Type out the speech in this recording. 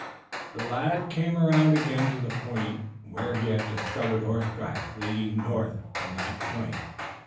The lad came around again to the point where he had discovered horse tracks leading north from that point.